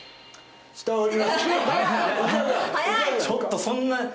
ちょっとそんな。